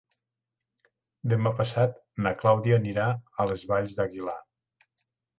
Demà passat na Clàudia anirà a les Valls d'Aguilar.